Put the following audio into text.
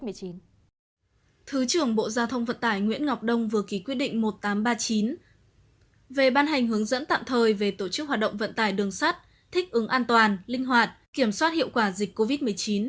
thứ trưởng bộ giao thông vận tải nguyễn ngọc đông vừa ký quyết định một nghìn tám trăm ba mươi chín về ban hành hướng dẫn tạm thời về tổ chức hoạt động vận tải đường sắt thích ứng an toàn linh hoạt kiểm soát hiệu quả dịch covid một mươi chín